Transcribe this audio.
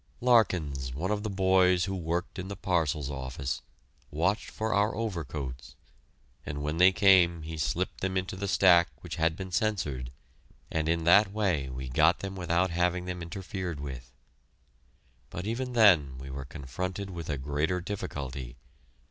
Larkins, one of the boys who worked in the parcels office, watched for our overcoats, and when they came he slipped them into the stack which had been censored, and in that way we got them without having them interfered with. But even then we were confronted with a greater difficulty.